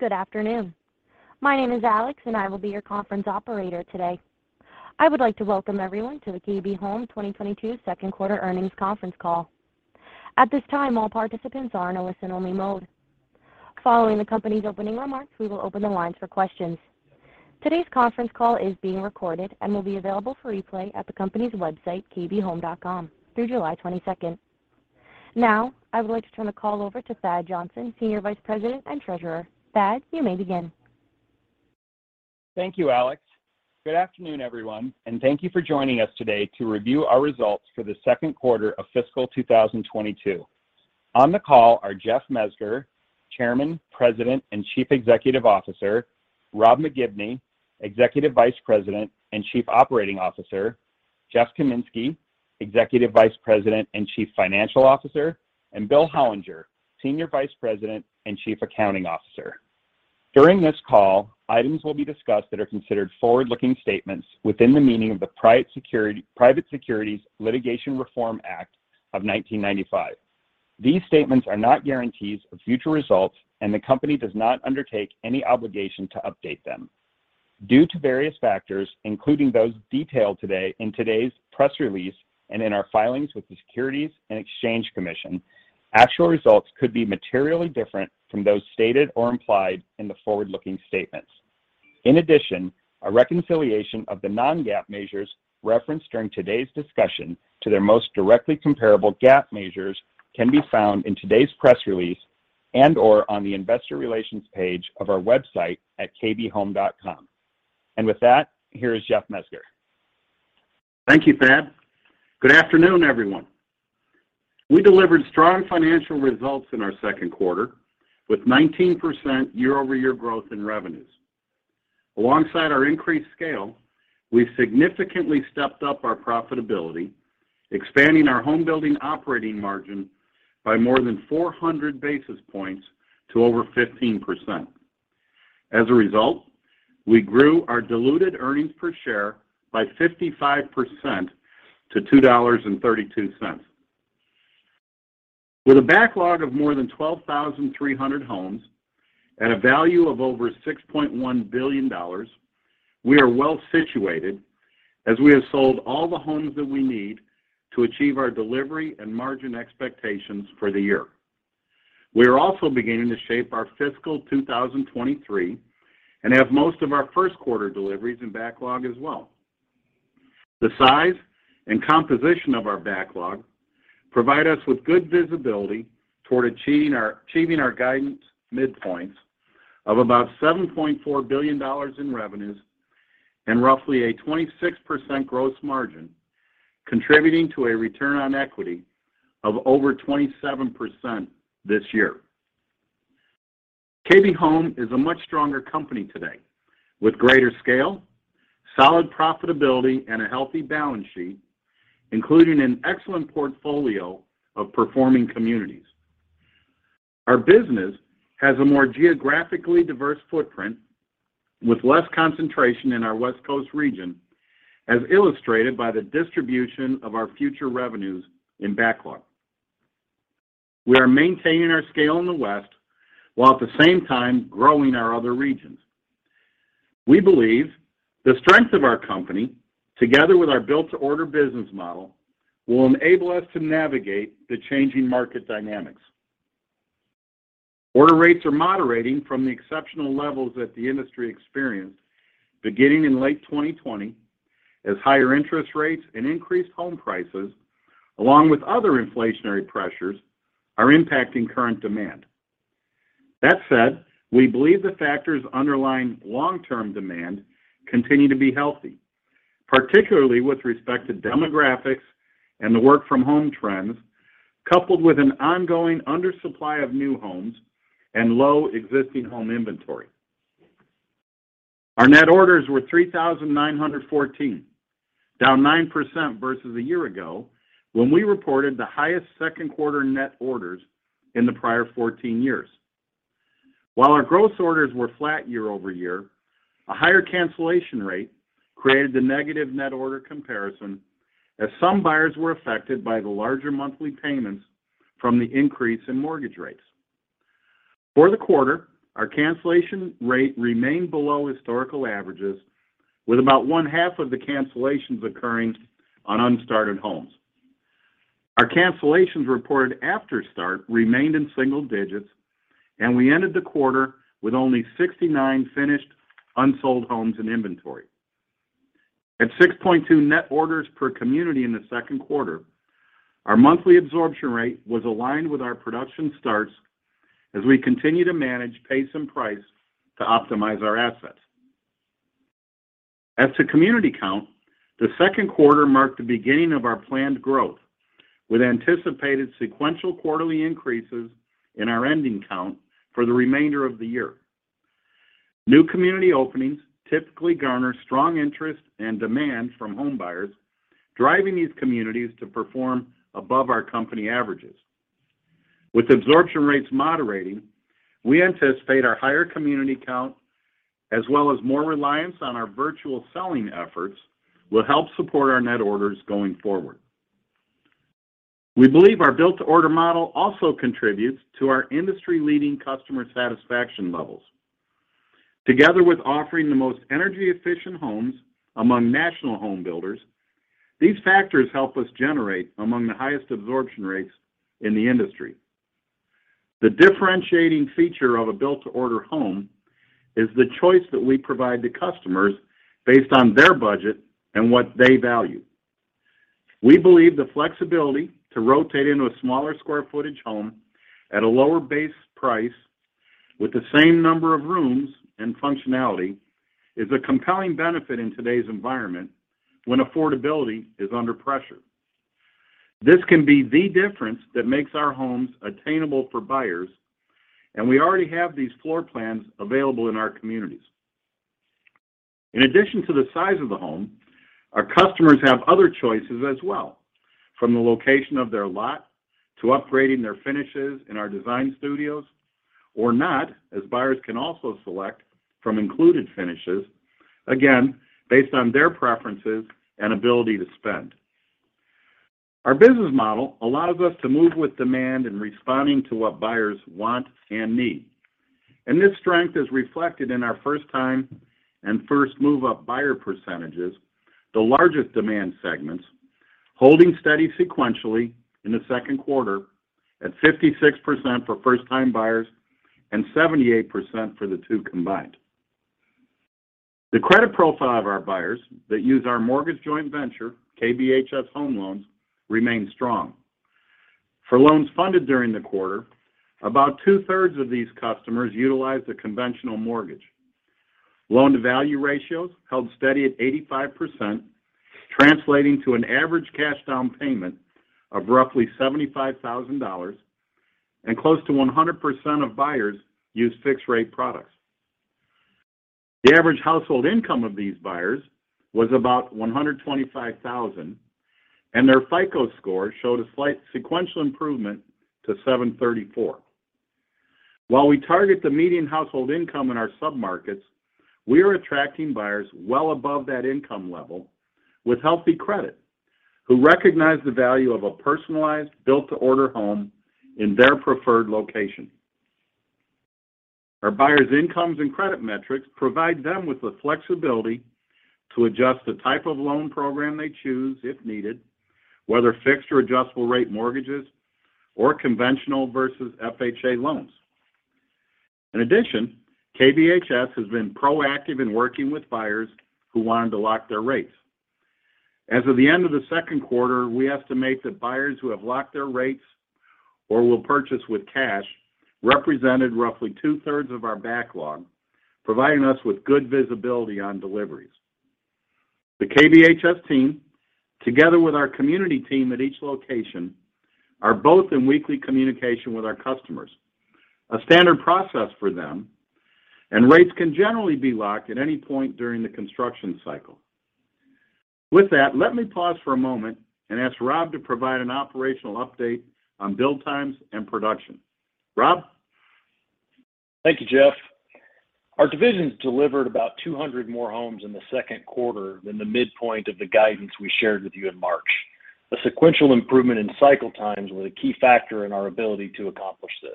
Good afternoon. My name is Alex, and I will be your conference operator today. I would like to welcome everyone to the KB Home 2022 second quarter earnings conference call. At this time, all participants are in a listen-only mode. Following the company's opening remarks, we will open the lines for questions. Today's conference call is being recorded and will be available for replay at the company's website, kbhome.com, through July 22. Now, I would like to turn the call over to Thad Johnson, Senior Vice President and Treasurer. Thad, you may begin. Thank you, Alex. Good afternoon, everyone, and thank you for joining us today to review our results for the second quarter of fiscal 2022. On the call are Jeff Mezger, Chairman, President, and Chief Executive Officer, Rob McGibney, Executive Vice President and Chief Operating Officer, Jeff Kaminski, Executive Vice President and Chief Financial Officer, and Bill Hollinger, Senior Vice President and Chief Accounting Officer. During this call, items will be discussed that are considered forward-looking statements within the meaning of the Private Securities Litigation Reform Act of 1995. These statements are not guarantees of future results, and the company does not undertake any obligation to update them. Due to various factors, including those detailed today in today's press release and in our filings with the Securities and Exchange Commission, actual results could be materially different from those stated or implied in the forward-looking statements. In addition, a reconciliation of the non-GAAP measures referenced during today's discussion to their most directly comparable GAAP measures can be found in today's press release and/or on the Investor Relations page of our website at kbhome.com. With that, here is Jeff Mezger. Thank you, Thad. Good afternoon, everyone. We delivered strong financial results in our second quarter with 19% year-over-year growth in revenues. Alongside our increased scale, we significantly stepped up our profitability, expanding our homebuilding operating margin by more than 400 basis points to over 15%. As a result, we grew our diluted earnings per share by 55% to $2.32. With a backlog of more than 12,300 homes at a value of over $6.1 billion, we are well situated as we have sold all the homes that we need to achieve our delivery and margin expectations for the year. We are also beginning to shape our fiscal 2023 and have most of our first quarter deliveries in backlog as well. The size and composition of our backlog provide us with good visibility toward achieving our guidance midpoints of about $7.4 billion in revenues and roughly a 26% gross margin, contributing to a return on equity of over 27% this year. KB Home is a much stronger company today with greater scale, solid profitability, and a healthy balance sheet, including an excellent portfolio of performing communities. Our business has a more geographically diverse footprint with less concentration in our West Coast region, as illustrated by the distribution of our future revenues in backlog. We are maintaining our scale in the West while at the same time growing our other regions. We believe the strength of our company, together with our Built-to-Order business model, will enable us to navigate the changing market dynamics. Order rates are moderating from the exceptional levels that the industry experienced beginning in late 2020 as higher interest rates and increased home prices, along with other inflationary pressures, are impacting current demand. That said, we believe the factors underlying long-term demand continue to be healthy, particularly with respect to demographics and the work from home trends, coupled with an ongoing undersupply of new homes and low existing home inventory. Our net orders were 3,914, down 9% versus a year ago when we reported the highest second quarter net orders in the prior 14 years. While our gross orders were flat year-over-year, a higher cancellation rate created the negative net order comparison as some buyers were affected by the larger monthly payments from the increase in mortgage rates. For the quarter, our cancellation rate remained below historical averages, with about one-half of the cancellations occurring on unstarted homes. Our cancellations reported after start remained in single digits, and we ended the quarter with only 69 finished unsold homes in inventory. At 6.2 net orders per community in the second quarter, our monthly absorption rate was aligned with our production starts as we continue to manage pace and price to optimize our assets. As to community count, the second quarter marked the beginning of our planned growth with anticipated sequential quarterly increases in our ending count for the remainder of the year. New community openings typically garner strong interest and demand from homebuyers, driving these communities to perform above our company averages. With absorption rates moderating, we anticipate our higher community count as well as more reliance on our virtual selling efforts will help support our net orders going forward. We believe our Built-to-Order model also contributes to our industry-leading customer satisfaction levels. Together with offering the most energy-efficient homes among national homebuilders, these factors help us generate among the highest absorption rates in the industry. The differentiating feature of a Built-to-Order home is the choice that we provide to customers based on their budget and what they value. We believe the flexibility to rotate into a smaller square footage home at a lower base price with the same number of rooms and functionality is a compelling benefit in today's environment when affordability is under pressure. This can be the difference that makes our homes attainable for buyers, and we already have these floor plans available in our communities. In addition to the size of the home, our customers have other choices as well, from the location of their lot to upgrading their finishes in our design studios or not, as buyers can also select from included finishes, again based on their preferences and ability to spend. Our business model allows us to move with demand in responding to what buyers want and need, and this strength is reflected in our first-time and first-move-up buyer percentages, the largest demand segments, holding steady sequentially in the second quarter at 56% for first-time buyers and 78% for the two combined. The credit profile of our buyers that use our mortgage joint venture, KBHS Home Loans, remain strong. For loans funded during the quarter, about two-thirds of these customers utilized a conventional mortgage. Loan-to-value ratios held steady at 85%, translating to an average cash down payment of roughly $75,000, and close to 100% of buyers used fixed rate products. The average household income of these buyers was about $125,000, and their FICO score showed a slight sequential improvement to 734. While we target the median household income in our submarkets, we are attracting buyers well above that income level with healthy credit who recognize the value of a personalized Built-to-Order home in their preferred location. Our buyers' incomes and credit metrics provide them with the flexibility to adjust the type of loan program they choose if needed, whether fixed or adjustable rate mortgages or conventional versus FHA loans. In addition, KBHS has been proactive in working with buyers who wanted to lock their rates. As of the end of the second quarter, we estimate that buyers who have locked their rates or will purchase with cash represented roughly two-thirds of our backlog, providing us with good visibility on deliveries. The KBHS team, together with our community team at each location, are both in weekly communication with our customers, a standard process for them, and rates can generally be locked at any point during the construction cycle. With that, let me pause for a moment and ask Rob to provide an operational update on build times and production. Rob? Thank you, Jeff. Our divisions delivered about 200 more homes in the second quarter than the midpoint of the guidance we shared with you in March. A sequential improvement in cycle times was a key factor in our ability to accomplish this.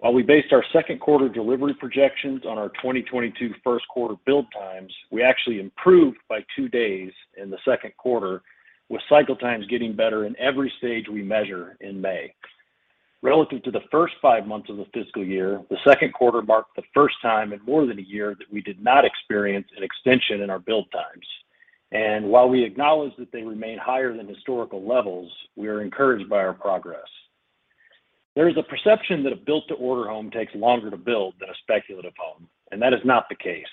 While we based our second quarter delivery projections on our 2022 first quarter build times, we actually improved by two days in the second quarter with cycle times getting better in every stage we measure in May. Relative to the first five months of the fiscal year, the second quarter marked the first time in more than a year that we did not experience an extension in our build times. While we acknowledge that they remain higher than historical levels, we are encouraged by our progress. There is a perception that a Built-to-Order home takes longer to build than a speculative home, and that is not the case.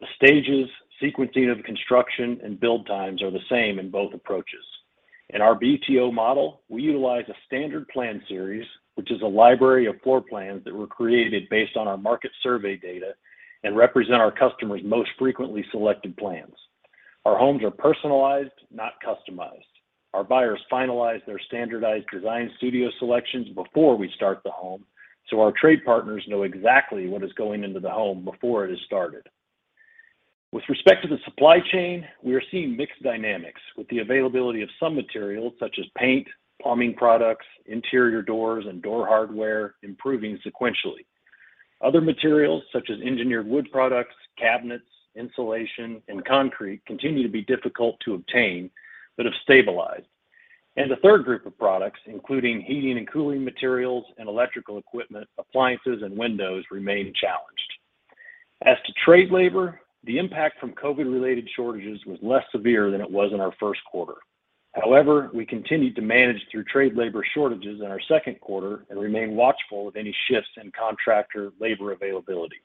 The stages, sequencing of construction, and build times are the same in both approaches. In our BTO model, we utilize a standard plan series, which is a library of floor plans that were created based on our market survey data and represent our customers' most frequently selected plans. Our homes are personalized, not customized. Our buyers finalize their standardized design studio selections before we start the home, so our trade partners know exactly what is going into the home before it is started. With respect to the supply chain, we are seeing mixed dynamics with the availability of some materials such as paint, plumbing products, interior doors, and door hardware improving sequentially. Other materials such as engineered wood products, cabinets, insulation, and concrete continue to be difficult to obtain, but have stabilized. The third group of products, including heating and cooling materials and electrical equipment, appliances, and windows remain challenged. As to trade labor, the impact from COVID-related shortages was less severe than it was in our first quarter. However, we continued to manage through trade labor shortages in our second quarter and remain watchful of any shifts in contractor labor availability.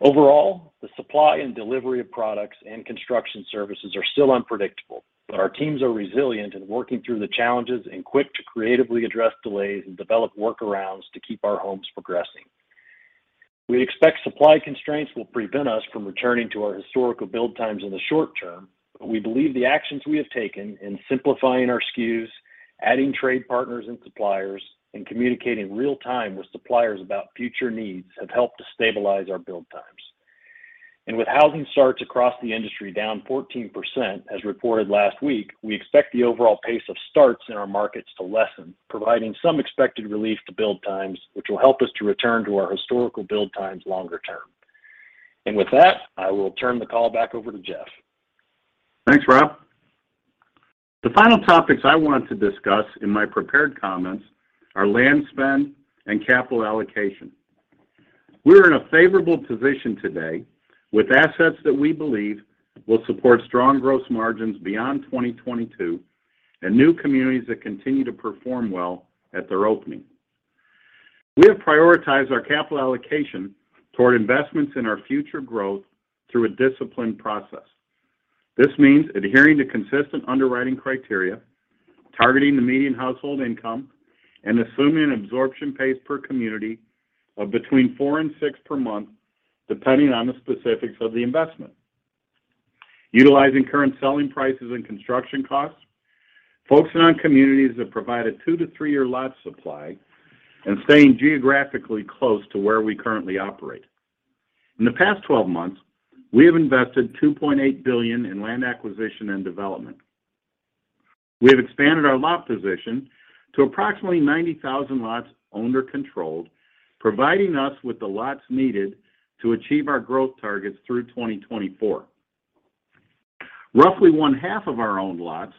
Overall, the supply and delivery of products and construction services are still unpredictable, but our teams are resilient and working through the challenges and quick to creatively address delays and develop workarounds to keep our homes progressing. We expect supply constraints will prevent us from returning to our historical build times in the short term, but we believe the actions we have taken in simplifying our SKUs, adding trade partners and suppliers, and communicating real time with suppliers about future needs have helped to stabilize our build times. With housing starts across the industry down 14% as reported last week, we expect the overall pace of starts in our markets to lessen, providing some expected relief to build times, which will help us to return to our historical build times longer term. With that, I will turn the call back over to Jeff. Thanks, Rob. The final topics I want to discuss in my prepared comments are land spend and capital allocation. We're in a favorable position today with assets that we believe will support strong gross margins beyond 2022 and new communities that continue to perform well at their opening. We have prioritized our capital allocation toward investments in our future growth through a disciplined process. This means adhering to consistent underwriting criteria, targeting the median household income, and assuming an absorption pace per community of between 4 and 6 per month, depending on the specifics of the investment. Utilizing current selling prices and construction costs, focusing on communities that provide a two- to three-year lot supply, and staying geographically close to where we currently operate. In the past 12 months, we have invested $2.8 billion in land acquisition and development. We have expanded our lot position to approximately 90,000 lots owned or controlled, providing us with the lots needed to achieve our growth targets through 2024. Roughly one-half of our own lots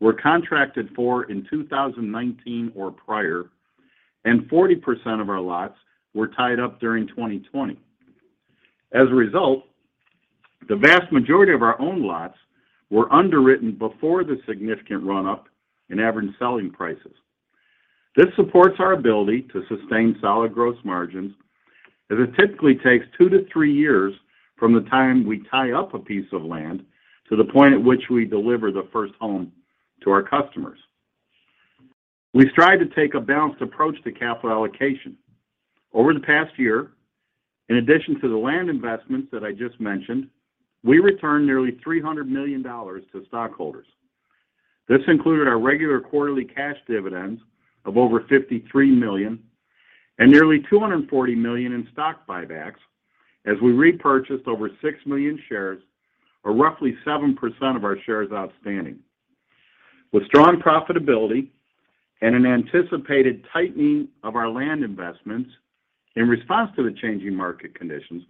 were contracted for in 2019 or prior, and 40% of our lots were tied up during 2020. As a result, the vast majority of our own lots were underwritten before the significant run-up in average selling prices. This supports our ability to sustain solid gross margins, as it typically takes two to three years from the time we tie up a piece of land to the point at which we deliver the first home to our customers. We strive to take a balanced approach to capital allocation. Over the past year, in addition to the land investments that I just mentioned, we returned nearly $300 million to stockholders. This included our regular quarterly cash dividends of over $53 million and nearly $240 million in stock buybacks as we repurchased over 6 million shares, or roughly 7% of our shares outstanding. With strong profitability and an anticipated tightening of our land investments in response to the changing market conditions,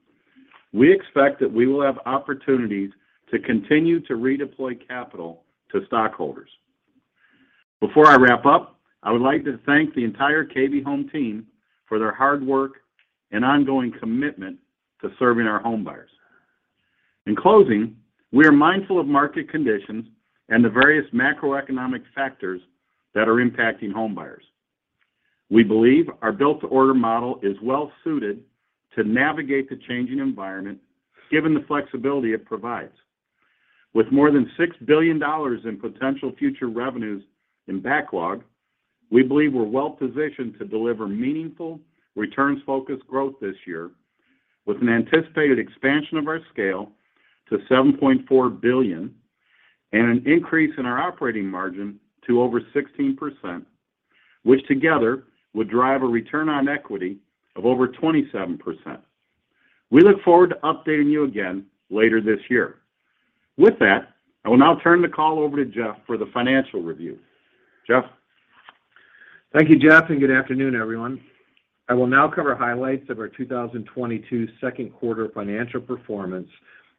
we expect that we will have opportunities to continue to redeploy capital to stockholders. Before I wrap up, I would like to thank the entire KB Home team for their hard work and ongoing commitment to serving our homebuyers. In closing, we are mindful of market conditions and the various macroeconomic factors that are impacting homebuyers. We believe our Built-to-Order model is well suited to navigate the changing environment given the flexibility it provides. With more than $6 billion in potential future revenues in backlog, we believe we're well positioned to deliver meaningful returns-focused growth this year with an anticipated expansion of our scale to $7.4 billion and an increase in our operating margin to over 16%, which together would drive a return on equity of over 27%. We look forward to updating you again later this year. With that, I will now turn the call over to Jeff for the financial review. Jeff. Thank you, Jeff, and good afternoon, everyone. I will now cover highlights of our 2022 second quarter financial performance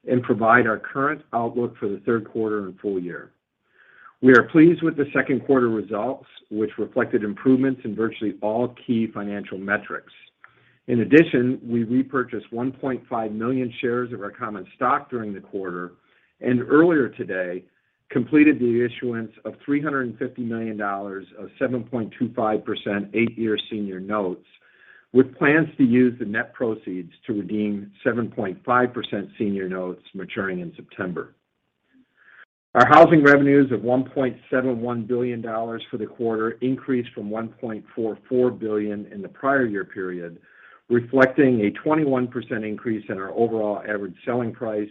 and provide our current outlook for the third quarter and full year. We are pleased with the second quarter results, which reflected improvements in virtually all key financial metrics. In addition, we repurchased 1.5 million shares of our common stock during the quarter and earlier today completed the issuance of $350 million of 7.25% eight-year senior notes with plans to use the net proceeds to redeem 7.5% senior notes maturing in September. Our housing revenues of $1.71 billion for the quarter increased from $1.44 billion in the prior year period, reflecting a 21% increase in our overall average selling price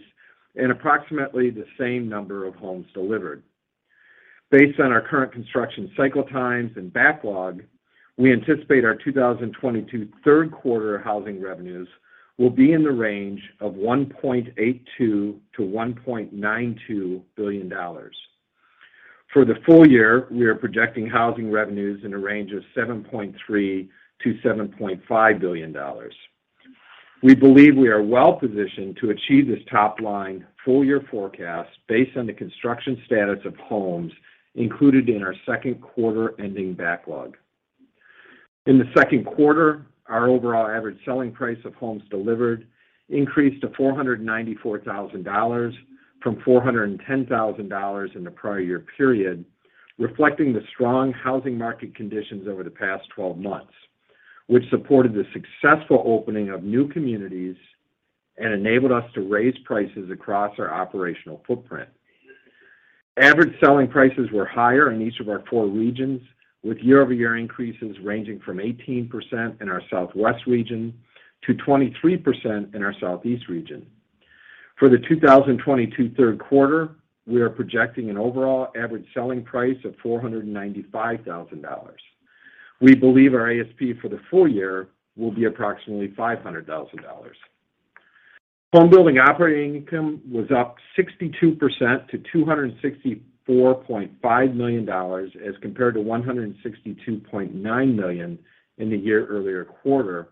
and approximately the same number of homes delivered. Based on our current construction cycle times and backlog, we anticipate our 2022 third quarter housing revenues will be in the range of $1.82 billion-$1.92 billion. For the full year, we are projecting housing revenues in a range of $7.3 billion-$7.5 billion. We believe we are well positioned to achieve this top-line full-year forecast based on the construction status of homes included in our second quarter ending backlog. In the second quarter, our overall average selling price of homes delivered increased to $494,000 from $410,000 in the prior year period, reflecting the strong housing market conditions over the past twelve months, which supported the successful opening of new communities and enabled us to raise prices across our operational footprint. Average selling prices were higher in each of our four regions, with year-over-year increases ranging from 18% in our Southwest region to 23% in our Southeast region. For the 2022 third quarter, we are projecting an overall average selling price of $495,000. We believe our ASP for the full year will be approximately $500,000. Homebuilding operating income was up 62% to $264.5 million as compared to $162.9 million in the year earlier quarter,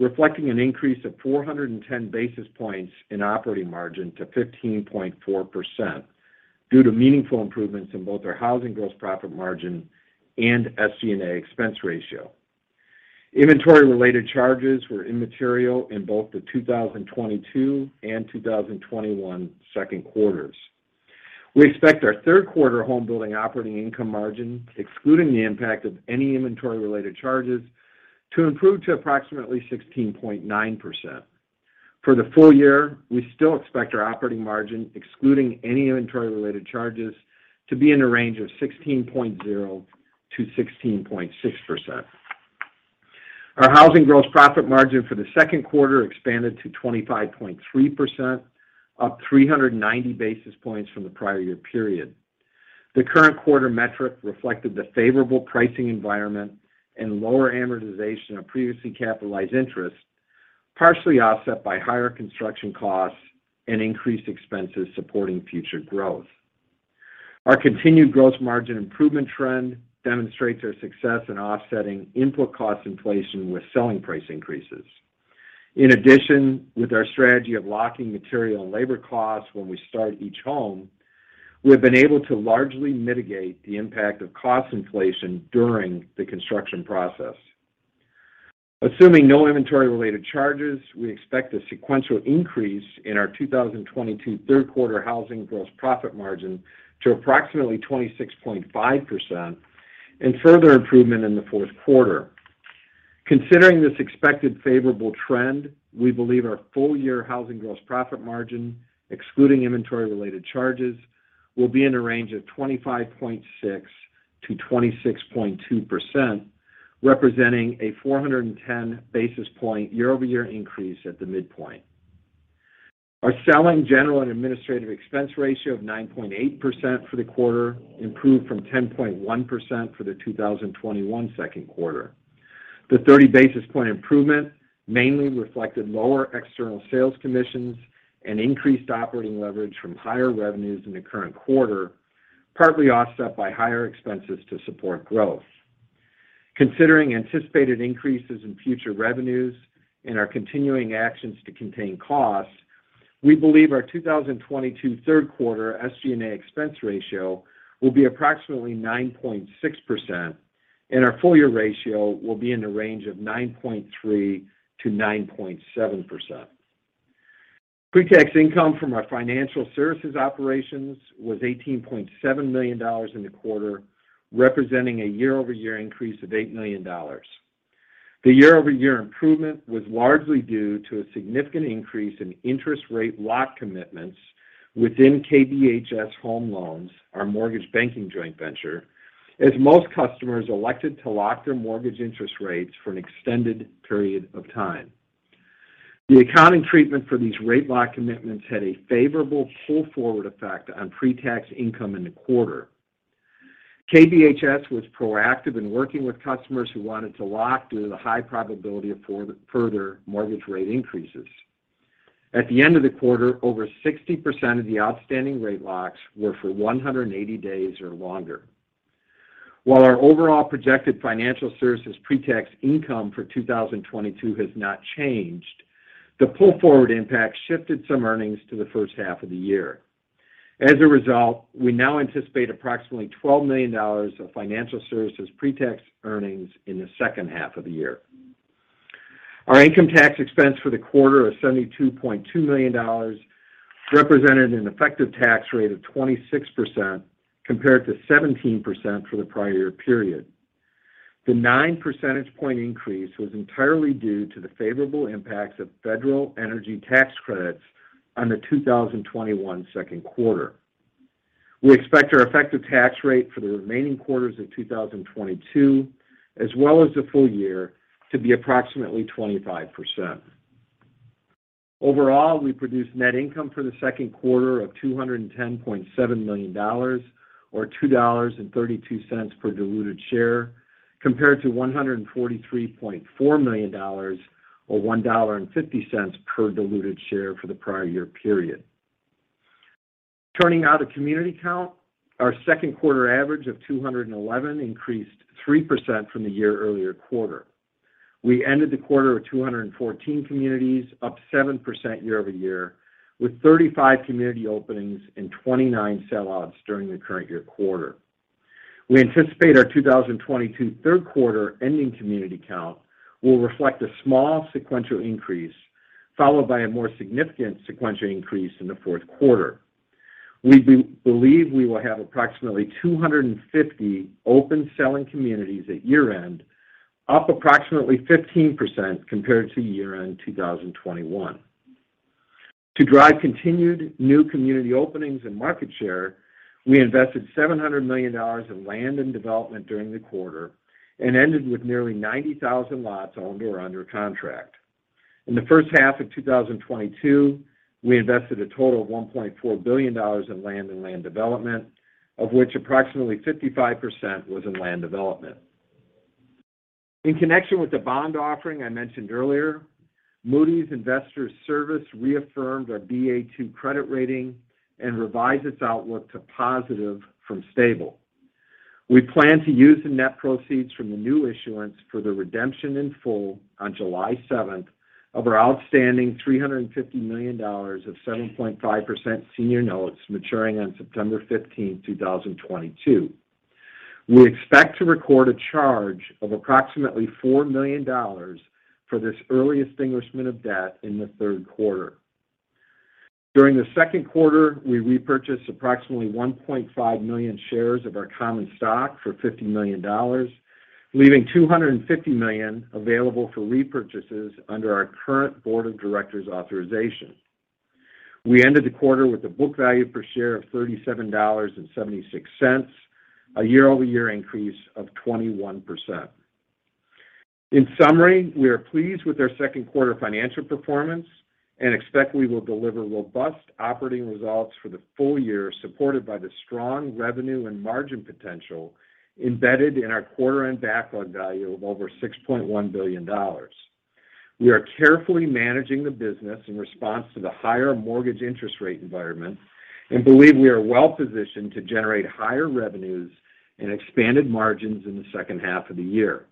reflecting an increase of 410 basis points in operating margin to 15.4% due to meaningful improvements in both our housing gross profit margin and SG&A expense ratio. Inventory-related charges were immaterial in both the 2022 and 2021 second quarters. We expect our third quarter homebuilding operating income margin, excluding the impact of any inventory-related charges, to improve to approximately 16.9%. For the full year, we still expect our operating margin, excluding any inventory-related charges, to be in the range of 16.0%-16.6%. Our housing gross profit margin for the second quarter expanded to 25.3%, up 390 basis points from the prior year period. The current quarter metric reflected the favorable pricing environment and lower amortization of previously capitalized interest, partially offset by higher construction costs and increased expenses supporting future growth. Our continued gross margin improvement trend demonstrates our success in offsetting input cost inflation with selling price increases. In addition, with our strategy of locking material and labor costs when we start each home, we have been able to largely mitigate the impact of cost inflation during the construction process. Assuming no inventory-related charges, we expect a sequential increase in our 2022 third quarter housing gross profit margin to approximately 26.5% and further improvement in the fourth quarter. Considering this expected favorable trend, we believe our full-year housing gross profit margin, excluding inventory-related charges, will be in the range of 25.6%-26.2%, representing a 410 basis point year-over-year increase at the midpoint. Our selling, general, and administrative expense ratio of 9.8% for the quarter improved from 10.1% for the 2021 second quarter. The 30 basis point improvement mainly reflected lower external sales commissions and increased operating leverage from higher revenues in the current quarter, partly offset by higher expenses to support growth. Considering anticipated increases in future revenues and our continuing actions to contain costs, we believe our 2022 third quarter SG&A expense ratio will be approximately 9.6%, and our full-year ratio will be in the range of 9.3%-9.7%. Pretax income from our financial services operations was $18.7 million in the quarter, representing a year-over-year increase of $8 million. The year-over-year improvement was largely due to a significant increase in interest rate lock commitments within KBHS Home Loans, our mortgage banking joint venture, as most customers elected to lock their mortgage interest rates for an extended period of time. The accounting treatment for these rate lock commitments had a favorable pull-forward effect on pretax income in the quarter. KBHS was proactive in working with customers who wanted to lock due to the high probability of further mortgage rate increases. At the end of the quarter, over 60% of the outstanding rate locks were for 180 days or longer. While our overall projected financial services pretax income for 2022 has not changed, the pull-forward impact shifted some earnings to the first half of the year. As a result, we now anticipate approximately $12 million of financial services pretax earnings in the second half of the year. Our income tax expense for the quarter of $72.2 million represented an effective tax rate of 26% compared to 17% for the prior year period. The 9 percentage point increase was entirely due to the favorable impacts of federal energy tax credits on the 2021 second quarter. We expect our effective tax rate for the remaining quarters of 2022, as well as the full year, to be approximately 25%. Overall, we produced net income for the second quarter of $210.7 million or $2.32 per diluted share compared to $143.4 million or $1.50 per diluted share for the prior year period. Turning now to community count, our second quarter average of 211 increased 3% from the year-earlier quarter. We ended the quarter with 214 communities, up 7% year-over-year, with 35 community openings and 29 sellouts during the current-year quarter. We anticipate our 2022 third quarter ending community count will reflect a small sequential increase, followed by a more significant sequential increase in the fourth quarter. We believe we will have approximately 250 open selling communities at year-end, up approximately 15% compared to year-end 2021. To drive continued new community openings and market share, we invested $700 million in land and development during the quarter and ended with nearly 90,000 lots owned or under contract. In the first half of 2022, we invested a total of $1.4 billion in land and land development, of which approximately 55% was in land development. In connection with the bond offering I mentioned earlier, Moody's Investors Service reaffirmed our Ba2 credit rating and revised its outlook to positive from stable. We plan to use the net proceeds from the new issuance for the redemption in full on July 7, 2022 of our outstanding $350 million of 7.5% senior notes maturing on September 15, 2022. We expect to record a charge of approximately $4 million for this early extinguishment of debt in the third quarter. During the second quarter, we repurchased approximately 1.5 million shares of our common stock for $50 million, leaving $250 million available for repurchases under our current board of directors authorization. We ended the quarter with a book value per share of $37.76, a year-over-year increase of 21%. In summary, we are pleased with our second quarter financial performance and expect we will deliver robust operating results for the full year, supported by the strong revenue and margin potential embedded in our quarter-end backlog value of over $6.1 billion. We are carefully managing the business in response to the higher mortgage interest rate environment and believe we are well-positioned to generate higher revenues and expanded margins in the second half of the year.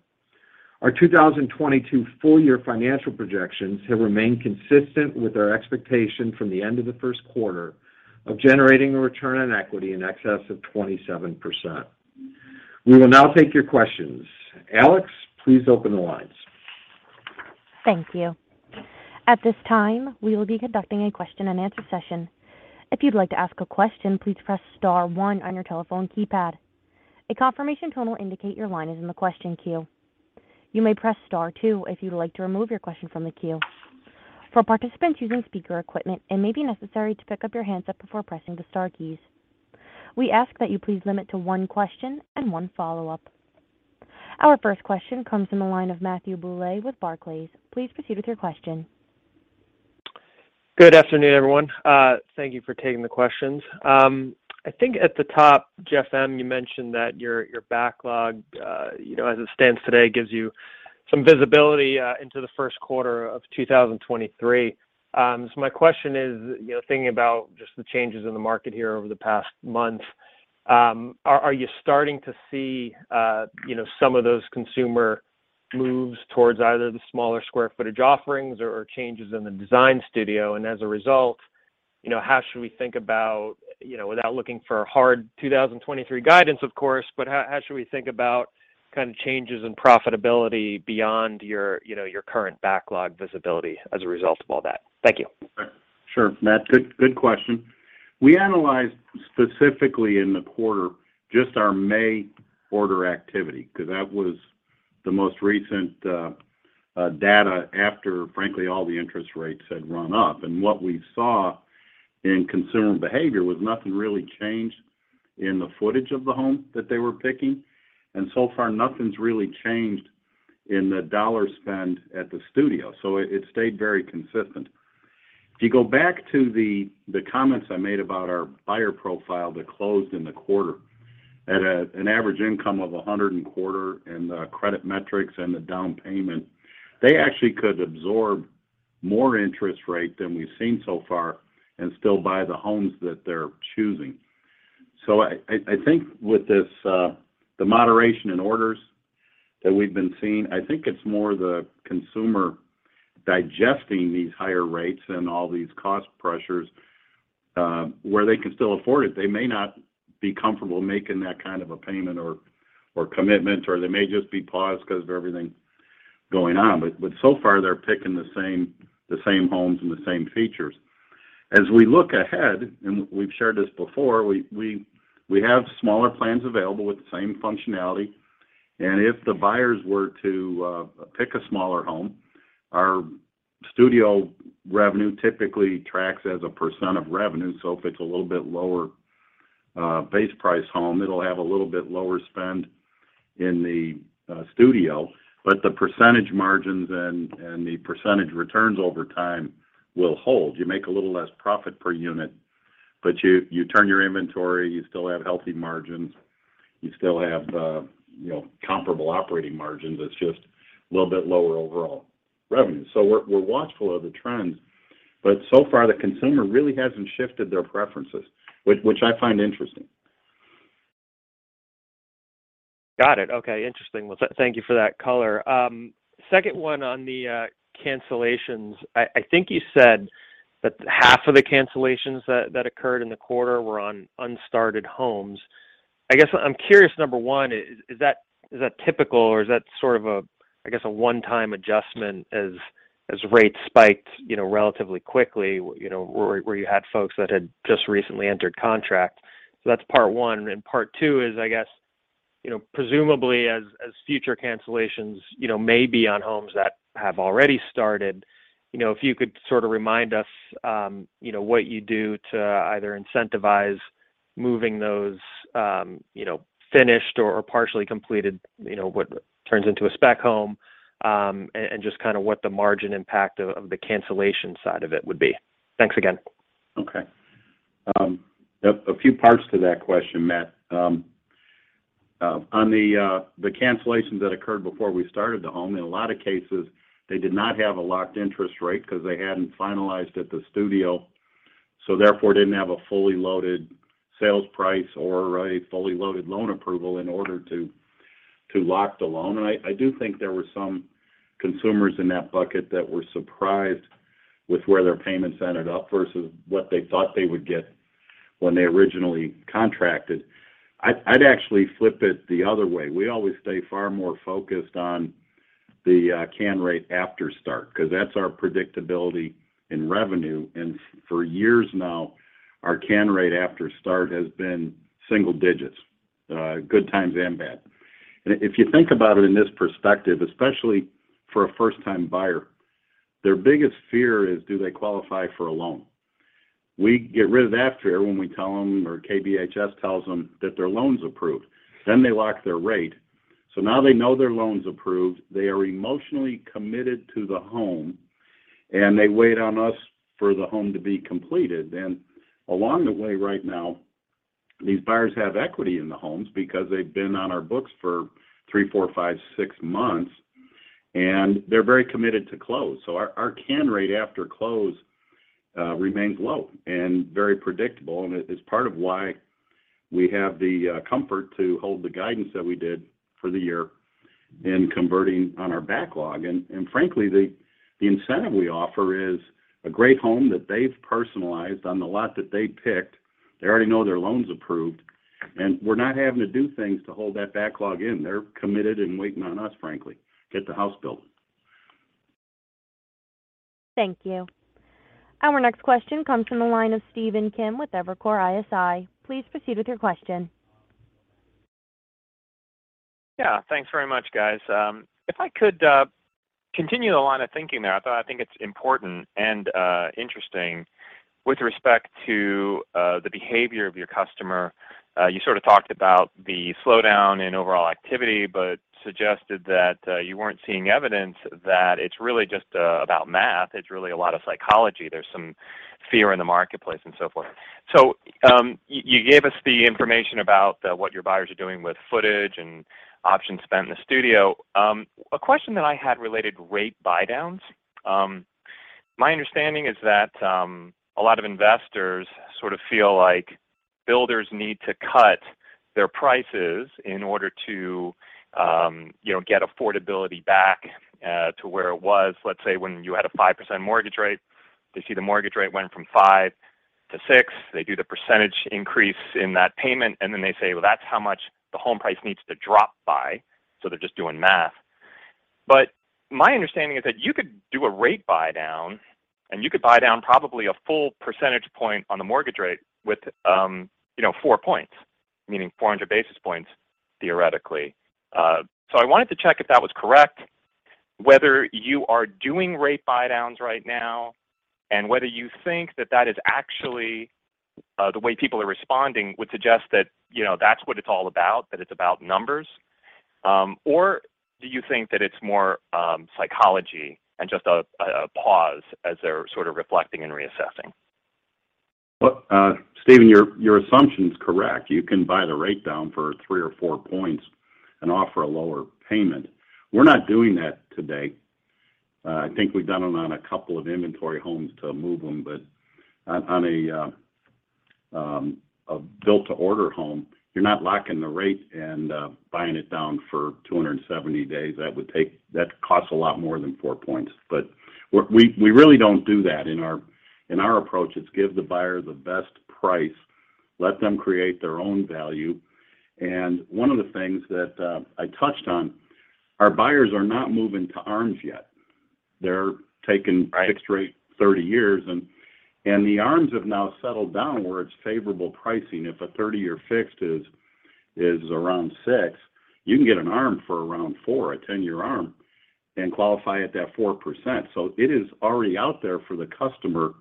Our 2022 full-year financial projections have remained consistent with our expectation from the end of the first quarter of generating a return on equity in excess of 27%. We will now take your questions. Alex, please open the lines. Thank you. At this time, we will be conducting a question-and-answer session. If you'd like to ask a question, please press star one on your telephone keypad. A confirmation tone will indicate your line is in the question queue. You may press star two if you'd like to remove your question from the queue. For participants using speaker equipment, it may be necessary to pick up your handset before pressing the star keys. We ask that you please limit to one question and one follow-up. Our first question comes from the line of Matthew Bouley with Barclays. Please proceed with your question. Good afternoon, everyone. Thank you for taking the questions. I think at the top, Jeff, you mentioned that your backlog, you know, as it stands today, gives you some visibility into the first quarter of 2023. My question is, you know, thinking about just the changes in the market here over the past month, are you starting to see, you know, some of those consumer moves towards either the smaller square footage offerings or changes in the design studio? As a result, you know, how should we think about, you know, without looking for hard 2023 guidance, of course, but how should we think about kind of changes in profitability beyond your, you know, your current backlog visibility as a result of all that? Thank you. Sure. Matt, good question. We analyzed specifically in the quarter just our May order activity because that was the most recent data after, frankly, all the interest rates had run up. What we saw in consumer behavior was nothing really changed in the footage of the home that they were picking. So far, nothing's really changed in the dollar spend at the studio. It stayed very consistent. If you go back to the comments I made about our buyer profile that closed in the quarter at an average income of $125 in the credit metrics and the down payment, they actually could absorb more interest rate than we've seen so far and still buy the homes that they're choosing. I think with this, the moderation in orders that we've been seeing, I think it's more the consumer digesting these higher rates and all these cost pressures, where they can still afford it. They may not be comfortable making that kind of a payment or commitment, or they may just be paused because of everything going on. So far, they're picking the same homes and the same features. As we look ahead, we've shared this before, we have smaller plans available with the same functionality. If the buyers were to pick a smaller home, our studio revenue typically tracks as a percent of revenue. If it's a little bit lower base price home, it'll have a little bit lower spend in the studio. The percentage margins and the percentage returns over time will hold. You make a little less profit per unit, but you turn your inventory, you still have healthy margins, you still have you know, comparable operating margins. It's just a little bit lower overall revenue. We're watchful of the trends. So far, the consumer really hasn't shifted their preferences, which I find interesting. Got it. Okay. Interesting. Well, thank you for that color. Second one on the cancellations. I think you said that half of the cancellations that occurred in the quarter were on unstarted homes. I guess I'm curious, number one, is that typical or is that sort of a, I guess, a one-time adjustment as rates spiked, you know, relatively quickly, you know, where you had folks that had just recently entered contract? That's part one. Part two is, I guess, you know, presumably as future cancellations, you know, may be on homes that have already started, you know, if you could sort of remind us, you know, what you do to either incentivize moving those, you know, finished or partially completed, you know, what turns into a spec home, and just kind of what the margin impact of the cancellation side of it would be. Thanks again. Okay. A few parts to that question, Matt. On the cancellations that occurred before we started the home, in a lot of cases, they did not have a locked interest rate 'cause they hadn't finalized at the studio, so therefore didn't have a fully loaded sales price or a fully loaded loan approval in order to lock the loan. I do think there were some consumers in that bucket that were surprised with where their payments ended up versus what they thought they would get when they originally contracted. I'd actually flip it the other way. We always stay far more focused on the cancel rate after start, 'cause that's our predictability in revenue. For years now, our cancel rate after start has been single digits, good times and bad. If you think about it in this perspective, especially for a first-time buyer, their biggest fear is do they qualify for a loan? We get rid of that fear when we tell 'em or KBHS tells them that their loan's approved, then they lock their rate. Now they know their loan's approved, they are emotionally committed to the home, and they wait on us for the home to be completed. Along the way right now, these buyers have equity in the homes because they've been on our books for three, four, five, six months, and they're very committed to close. Our cancel rate after close remains low and very predictable, and it is part of why we have the comfort to hold the guidance that we did for the year in converting on our backlog. Frankly, the incentive we offer is a great home that they've personalized on the lot that they picked. They already know their loan's approved, and we're not having to do things to hold that backlog in. They're committed and waiting on us, frankly, to get the house built. Thank you. Our next question comes from the line of Stephen Kim with Evercore ISI. Please proceed with your question. Yeah. Thanks very much, guys. If I could continue the line of thinking there, I think it's important and interesting with respect to the behavior of your customer. You sort of talked about the slowdown in overall activity, but suggested that you weren't seeing evidence that it's really just about math. It's really a lot of psychology. There's some fear in the marketplace and so forth. You gave us the information about what your buyers are doing with footage and options spent in the studio. A question that I had related to rate buydowns. My understanding is that a lot of investors sort of feel like builders need to cut their prices in order to you know get affordability back to where it was, let's say, when you had a 5% mortgage rate. They see the mortgage rate went from 5 to 6. They do the percentage increase in that payment, and then they say, "Well, that's how much the home price needs to drop by." They're just doing math. My understanding is that you could do a rate buydown, and you could buydown probably a full percentage point on the mortgage rate with you know 4 points, meaning 400 basis points, theoretically. I wanted to check if that was correct, whether you are doing rate buydowns right now, and whether you think that is actually the way people are responding would suggest that, you know, that's what it's all about, that it's about numbers. Do you think that it's more psychology and just a pause as they're sort of reflecting and reassessing? Well, Stephen, your assumption is correct. You can buy the rate down for 3 points or 4 points and offer a lower payment. We're not doing that today. I think we've done it on a couple of inventory homes to move them, but on a Built-to-Order home, you're not locking the rate and buying it down for 270 days. That costs a lot more than 4 points. We really don't do that. In our approach, it's give the buyer the best price, let them create their own value. One of the things that I touched on, our buyers are not moving to ARMs yet. They're taking- Right Fixed-rate 30 years and the ARMs have now settled down where it's favorable pricing. If a 30-year fixed is around 6, you can get an ARM for around 4, a 10-year ARM, and qualify at that 4%. It is already out there for the customer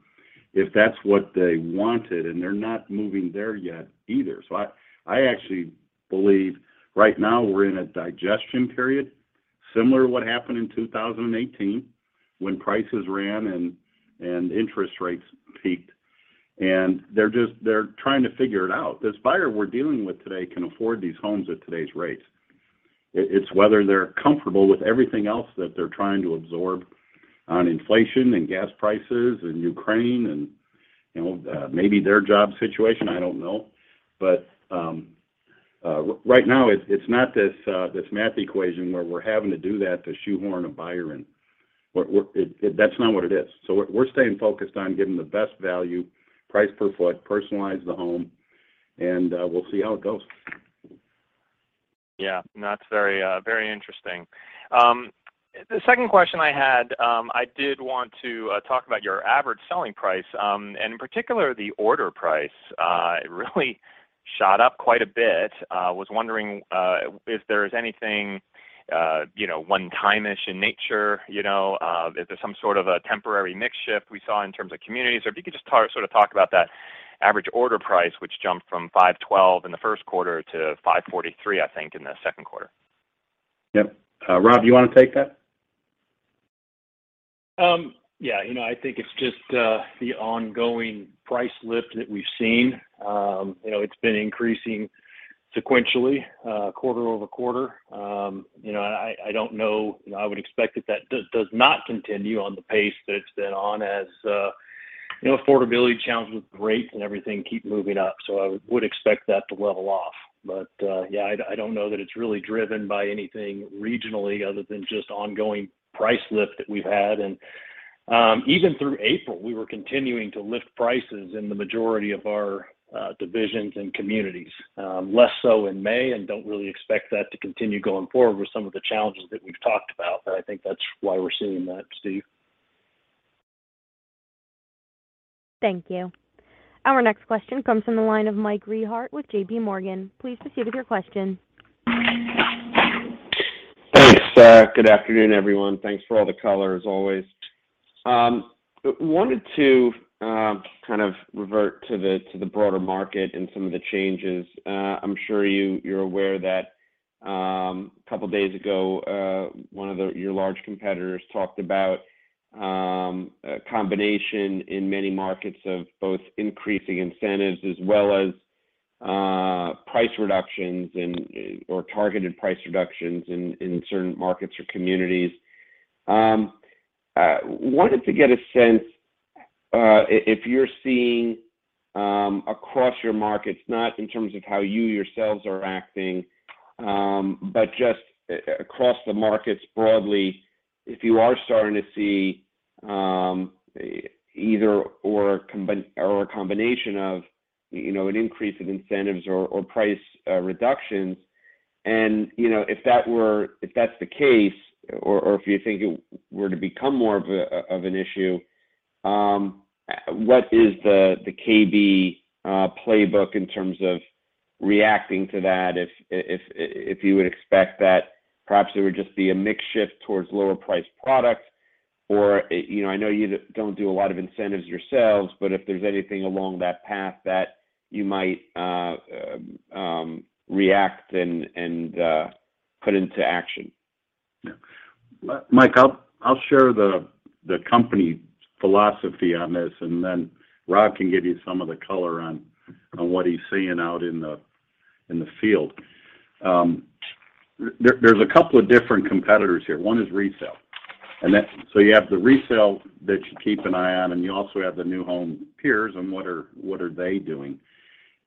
if that's what they wanted, and they're not moving there yet either. I actually believe right now we're in a digestion period, similar to what happened in 2018 when prices ran and interest rates peaked. They're just trying to figure it out. This buyer we're dealing with today can afford these homes at today's rates. It's whether they're comfortable with everything else that they're trying to absorb on inflation and gas prices and Ukraine and, you know, maybe their job situation, I don't know. Right now it's not this math equation where we're having to do that to shoehorn a buyer in. That's not what it is. We're staying focused on giving the best value, price per foot, personalize the home, and we'll see how it goes. Yeah. No, that's very, very interesting. The second question I had, I did want to talk about your average selling price, and in particular, the order price, really shot up quite a bit. Was wondering, if there is anything, you know, one-time-ish in nature. You know, is there some sort of a temporary mix shift we saw in terms of communities? Or if you could just sort of talk about that average order price, which jumped from $512 in the first quarter to $543, I think, in the second quarter. Yep. Rob, you want to take that? Yeah. You know, I think it's just the ongoing price lift that we've seen. You know, it's been increasing sequentially quarter-over-quarter. You know, I don't know. You know, I would expect that does not continue on the pace that it's been on as you know, affordability challenges with rates and everything keep moving up. I would expect that to level off. Yeah, I don't know that it's really driven by anything regionally other than just ongoing price lift that we've had. Even through April, we were continuing to lift prices in the majority of our divisions and communities. Less so in May and don't really expect that to continue going forward with some of the challenges that we've talked about. I think that's why we're seeing that, Steve. Thank you. Our next question comes from the line of Mike Rehaut with JPMorgan. Please proceed with your question. Thanks. Good afternoon, everyone. Thanks for all the color as always. Wanted to kind of revert to the broader market and some of the changes. I'm sure you're aware that a couple days ago one of your large competitors talked about a combination in many markets of both increasing incentives as well as price reductions or targeted price reductions in certain markets or communities. Wanted to get a sense if you're seeing across your markets, not in terms of how you yourselves are acting, but just across the markets broadly, if you are starting to see either or a combination of, you know, an increase of incentives or price reductions. You know, if that's the case or if you think it were to become more of an issue, what is the KB playbook in terms of reacting to that if you would expect that perhaps there would just be a mix shift towards lower priced products or, you know, I know you don't do a lot of incentives yourselves, but if there's anything along that path that you might react and put into action? Yeah. Mike, I'll share the company philosophy on this, and then Rob can give you some of the color on what he's seeing out in the field. There's a couple of different competitors here. One is resale, and that. You have the resale that you keep an eye on, and you also have the new home peers and what are they doing.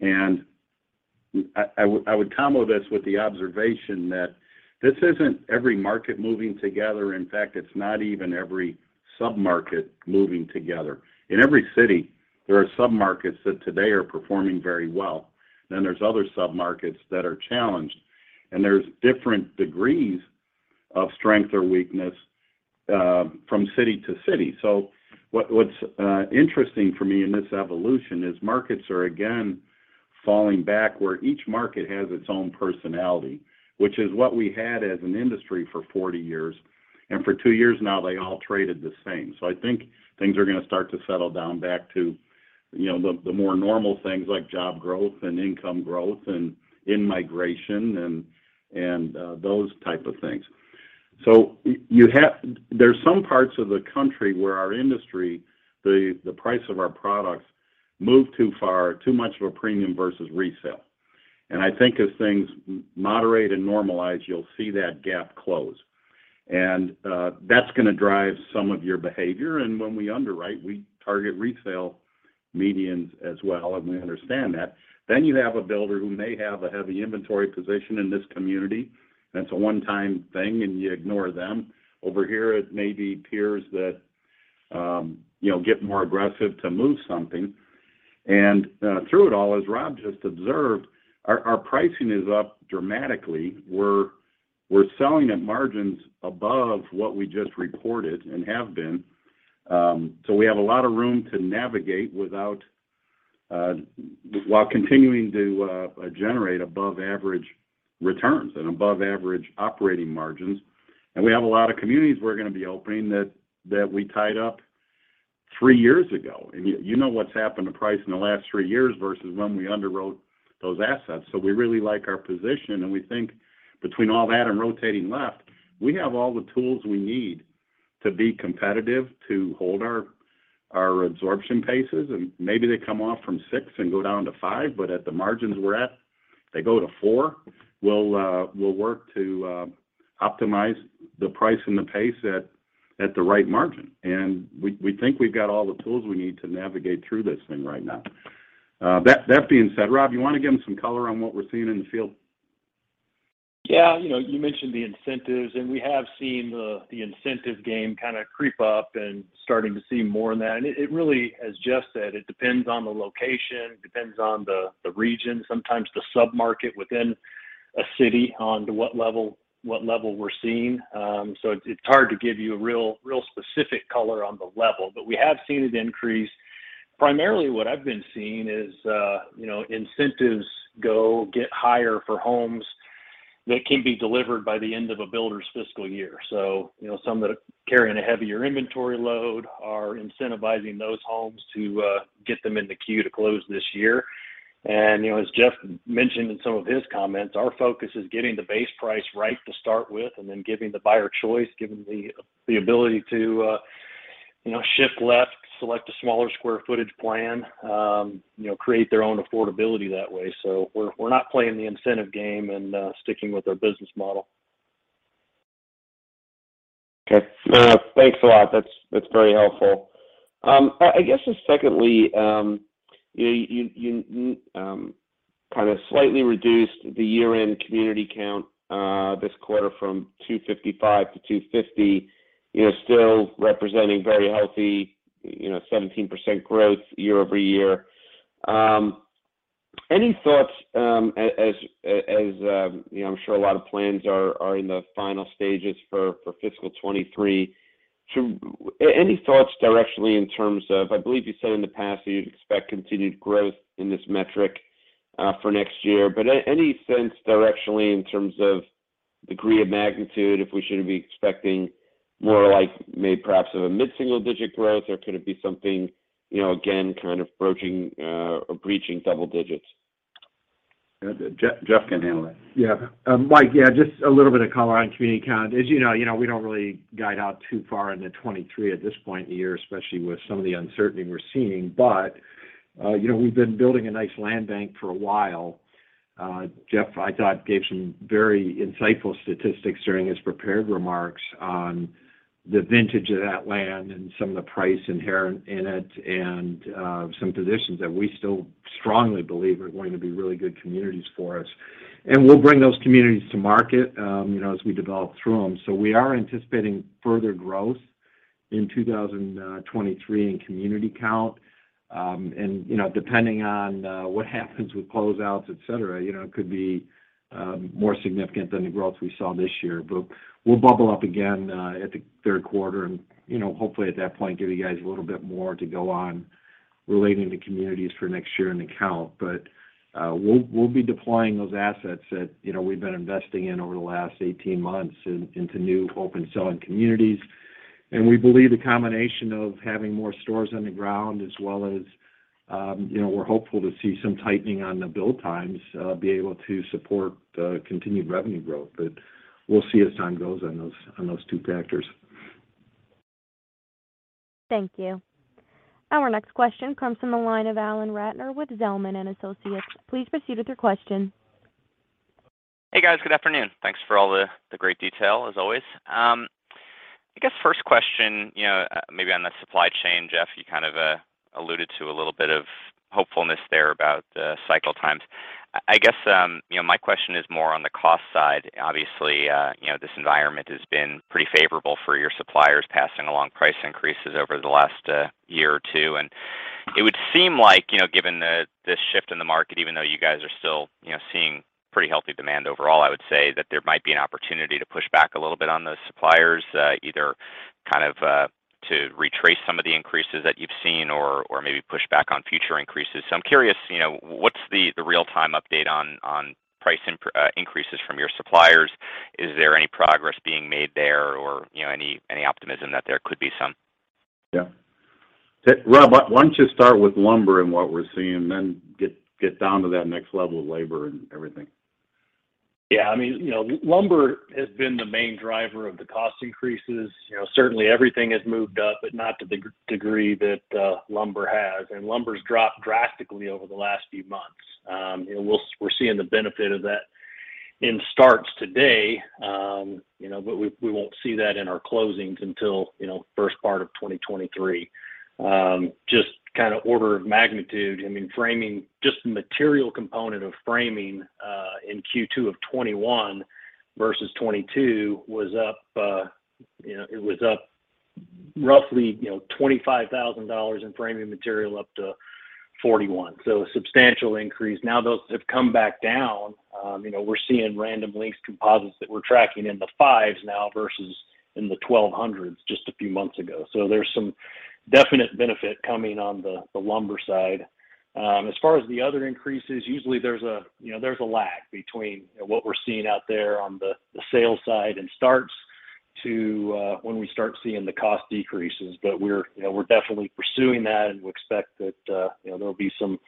I would combo this with the observation that this isn't every market moving together. In fact, it's not even every sub-market moving together. In every city, there are sub-markets that today are performing very well. There's other sub-markets that are challenged, and there's different degrees of strength or weakness from city to city. What's interesting for me in this evolution is markets are again falling back where each market has its own personality, which is what we had as an industry for 40 years. For two years now they all traded the same. I think things are going to start to settle down back to, you know, the more normal things like job growth and income growth and in-migration and those type of things. You have. There's some parts of the country where our industry, the price of our products move too far, too much of a premium versus resale. I think as things moderate and normalize, you'll see that gap close. That's going to drive some of your behavior. When we underwrite, we target resale medians as well, and we understand that. You have a builder who may have a heavy inventory position in this community, and it's a one-time thing, and you ignore them. Over here it may be peers that, you know, get more aggressive to move something. Through it all, as Rob just observed, our pricing is up dramatically. We're selling at margins above what we just reported and have been. We have a lot of room to navigate without while continuing to generate above average returns and above average operating margins. We have a lot of communities we're going to be opening that we tied up three years ago. You know what's happened to price in the last three years versus when we underwrote those assets. We really like our position and we think between all that and rotating lots, we have all the tools we need to be competitive to hold our absorption paces, and maybe they come off from 6 and go down to 5. At the margins we're at, they go to 4, we'll work to optimize the price and the pace at the right margin. We think we've got all the tools we need to navigate through this thing right now. That being said, Rob you want to give them some color on what we're seeing in the field? Yeah. You know, you mentioned the incentives, and we have seen the incentive game kind of creep up and starting to see more of that. It really, as Jeff said, depends on the location, depends on the region, sometimes the sub-market within a city as to what level we're seeing. So it's hard to give you a real specific color on the level, but we have seen it increase. Primarily what I've been seeing is, you know, incentives gotten higher for homes that can be delivered by the end of a builder's fiscal year. You know, some that are carrying a heavier inventory load are incentivizing those homes to get them in the queue to close this year. You know, as Jeff mentioned in some of his comments, our focus is getting the base price right to start with and then giving the buyer choice, giving the ability to you know, shift left, select a smaller square footage plan, you know, create their own affordability that way. We're not playing the incentive game and sticking with our business model. Okay. Thanks a lot. That's very helpful. I guess just secondly, you kind of slightly reduced the year-end community count this quarter from 255 to 250. You're still representing very healthy, you know, 17% growth year-over-year. Any thoughts, you know, I'm sure a lot of plans are in the final stages for fiscal 2023 to. Any thoughts directionally in terms of. I believe you said in the past that you'd expect continued growth in this metric for next year. But any sense directionally in terms of degree of magnitude, if we should be expecting more like maybe perhaps of a mid-single digit growth, or could it be something, you know, again, kind of approaching or breaching double digits? Jeff can handle that. Yeah. Mike, yeah, just a little bit of color on community count. As you know, you know, we don't really guide out too far into 2023 at this point in the year, especially with some of the uncertainty we're seeing. We've been building a nice land bank for a while. Jeff, I thought, gave some very insightful statistics during his prepared remarks on the vintage of that land and some of the price inherent in it and some positions that we still strongly believe are going to be really good communities for us. We'll bring those communities to market, you know, as we develop through them. We are anticipating further growth in 2023 in community count. You know, depending on what happens with close outs, et cetera, you know, it could be more significant than the growth we saw this year. We'll bubble up again at the third quarter and, you know, hopefully at that point, give you guys a little bit more to go on relating to communities for next year and the count. We'll be deploying those assets that, you know, we've been investing in over the last 18 months into new open selling communities. We believe the combination of having more stores on the ground as well as, you know, we're hopeful to see some tightening on the build times be able to support the continued revenue growth. We'll see as time goes on those two factors. Thank you. Our next question comes from the line of Alan Ratner with Zelman & Associates. Please proceed with your question. Hey, guys. Good afternoon. Thanks for all the great detail, as always. I guess first question, you know, maybe on the supply chain, Jeff, you kind of alluded to a little bit of hopefulness there about the cycle times. I guess, you know, my question is more on the cost side. Obviously, you know, this environment has been pretty favorable for your suppliers passing along price increases over the last year or two. It would seem like, you know, given the shift in the market, even though you guys are still, you know, seeing pretty healthy demand overall, I would say that there might be an opportunity to push back a little bit on the suppliers, either kind of to retrace some of the increases that you've seen or maybe push back on future increases. I'm curious, you know, what's the real-time update on price increases from your suppliers? Is there any progress being made there or, you know, any optimism that there could be some? Yeah. Rob, why don't you start with lumber and what we're seeing then get down to that next level of labor and everything. Yeah, I mean, you know, lumber has been the main driver of the cost increases. You know, certainly everything has moved up, but not to the degree that lumber has. Lumber's dropped drastically over the last few months. We're seeing the benefit of that in starts today, you know, but we won't see that in our closings until, you know, first part of 2023. Just kind of order of magnitude, I mean, framing just the material component of framing in Q2 of 2021 versus 2022 was up, you know, it was up roughly, you know, $25,000 in framing material up to $41,000. So a substantial increase. Now those have come back down. You know, we're seeing Random Lengths composites that we're tracking in the $500s now versus in the $1,200s just a few months ago. There's some definite benefit coming on the lumber side. As far as the other increases, usually there's a lag between you know what we're seeing out there on the sales side and when we start seeing the cost decreases. We're definitely pursuing that, and we expect that there'll be some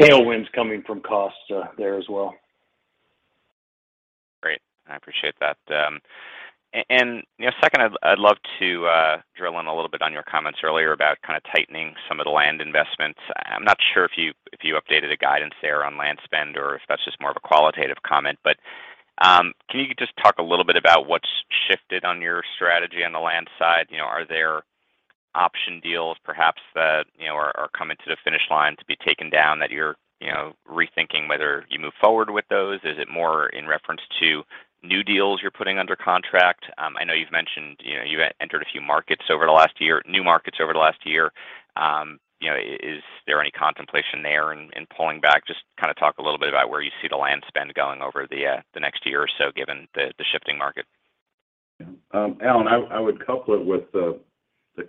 tailwinds coming from cost there as well. Great. I appreciate that. You know, second, I'd love to drill in a little bit on your comments earlier about kind of tightening some of the land investments. I'm not sure if you updated a guidance there on land spend or if that's just more of a qualitative comment. Can you just talk a little bit about what's shifted on your strategy on the land side? You know, are there option deals perhaps that you know are coming to the finish line to be taken down that you're you know rethinking whether you move forward with those? Is it more in reference to new deals you're putting under contract? I know you've mentioned, you know, you entered a few markets over the last year, new markets over the last year. You know, is there any contemplation there in pulling back? Just kind of talk a little bit about where you see the land spend going over the next year or so given the shifting market. Yeah. Alan, I would couple it with the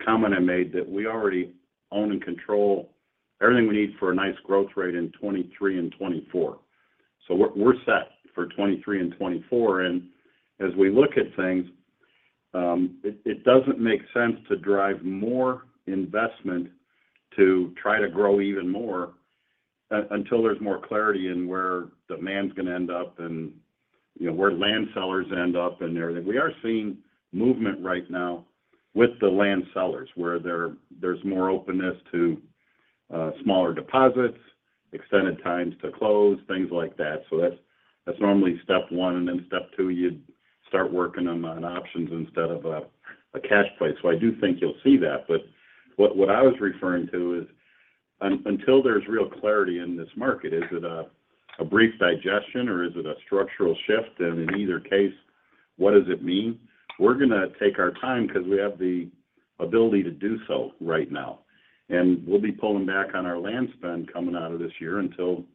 comment I made that we already own and control everything we need for a nice growth rate in 2023 and 2024. We're set for 2023 and 2024. As we look at things, it doesn't make sense to drive more investment to try to grow even more until there's more clarity in where demand's gonna end up and, you know, where land sellers end up in there. We are seeing movement right now with the land sellers, where there's more openness to smaller deposits, extended times to close, things like that. That's normally step one, and then step two, you'd start working on options instead of a cash buy. I do think you'll see that. What I was referring to is until there's real clarity in this market, is it a brief digestion or is it a structural shift? In either case, what does it mean? We're gonna take our time because we have the ability to do so right now. We'll be pulling back on our land spend coming out of this year until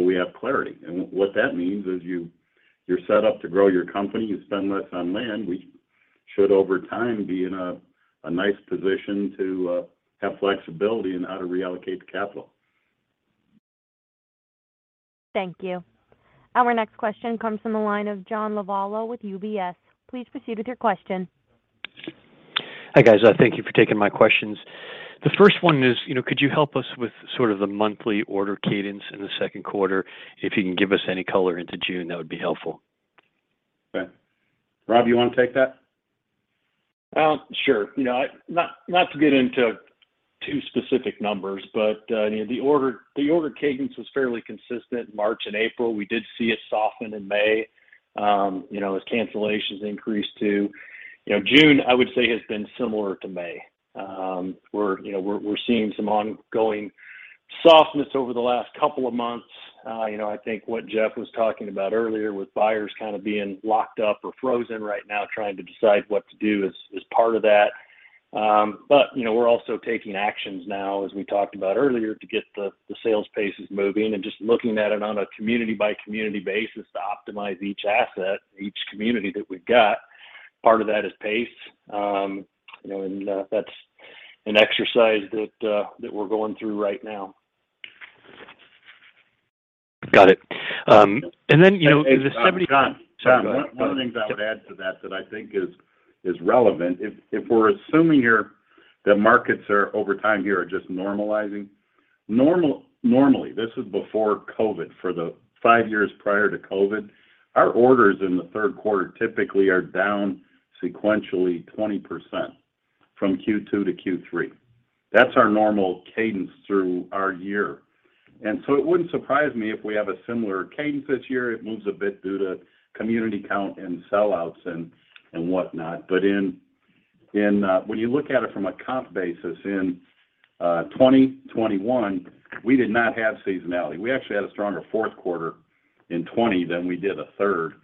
we have clarity. What that means is you're set up to grow your company. You spend less on land. We should, over time, be in a nice position to have flexibility in how to reallocate the capital. Thank you. Our next question comes from the line of John Lovallo with UBS. Please proceed with your question. Hi, guys. Thank you for taking my questions. The first one is, you know, could you help us with sort of the monthly order cadence in the second quarter? If you can give us any color into June, that would be helpful. Okay. Rob, you want to take that? Well, sure. You know, not to get into too specific numbers, but, you know, the order cadence was fairly consistent March and April. We did see it soften in May, you know, as cancellations increased too. You know, June, I would say, has been similar to May. We're seeing some ongoing softness over the last couple of months. You know, I think what Jeff was talking about earlier with buyers kind of being locked up or frozen right now trying to decide what to do is part of that. You know, we're also taking actions now, as we talked about earlier, to get the sales paces moving and just looking at it on a community-by-community basis to optimize each asset, each community that we've got. Part of that is pace. You know, that's an exercise that we're going through right now. Got it. Hey, John. Go ahead. One of the things I would add to that that I think is relevant. If we're assuming here that markets are over time just normalizing. Normally, this is before COVID, for the five years prior to COVID, our orders in the third quarter typically are down sequentially 20% from Q2 to Q3. That's our normal cadence through our year. It wouldn't surprise me if we have a similar cadence this year. It moves a bit due to community count and sellouts and whatnot. But when you look at it from a comp basis, in 2021, we did not have seasonality. We actually had a stronger fourth quarter in 2020 than we did in the third.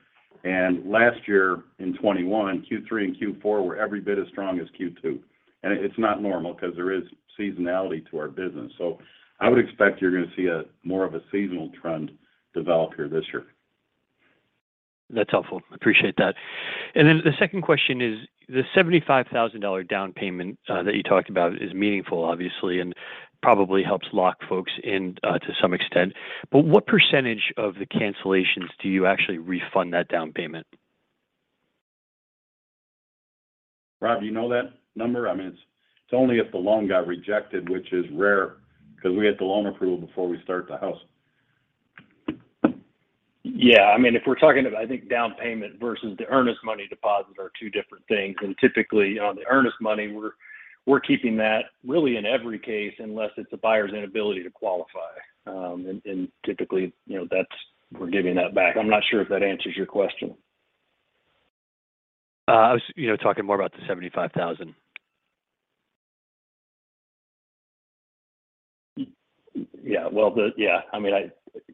Last year in 2021, Q3 and Q4 were every bit as strong as Q2. It's not normal because there is seasonality to our business. I would expect you're going to see a more of a seasonal trend develop here this year. That's helpful. Appreciate that. The second question is, the $75,000 down payment that you talked about is meaningful, obviously, and probably helps lock folks in, to some extent. What percentage of the cancellations do you actually refund that down payment? Rob, you know that number? I mean, it's only if the loan got rejected, which is rare, because we get the loan approval before we start the house. Yeah. I mean, if we're talking about, I think down payment versus the earnest money deposit are two different things. Typically, on the earnest money, we're keeping that really in every case, unless it's a buyer's inability to qualify. Typically, you know, that's we're giving that back. I'm not sure if that answers your question. I was, you know, talking more about the $75,000. Yeah. Well, yeah, I mean,